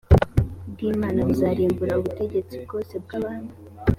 bw imana buzarimbura ubutegetsi bwose bw abantu